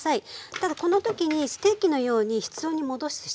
ただこの時にステーキのように室温に戻す必要はないです。